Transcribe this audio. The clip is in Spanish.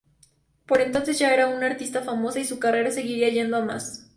Por entonces ya era una artista famosa, y su carrera seguiría yendo a más.